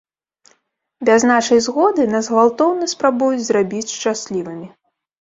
Без нашай згоды нас гвалтоўна спрабуюць зрабіць шчаслівымі.